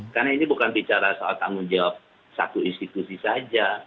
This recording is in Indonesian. karena ini bukan bicara soal tanggung jawab satu institusi saja